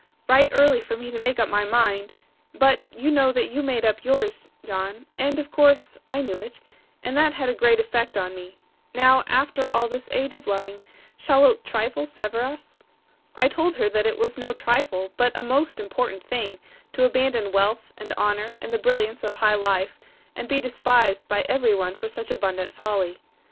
Right early for me to make up my mind; but you know that you made up yours, John; and, of course, I knew it; and that had a great effect on me. Now, after all this age of loving, shall a trifle sever us?' I told her that it was no trifle, but a most important thing, to abandon wealth, and honour, and the brilliance of high life, and be despised by every one for such abundant folly.